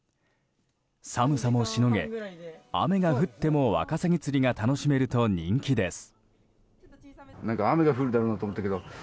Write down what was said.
寒さもしのげ、雨が降ってもワカサギ釣りが楽しめると人気です。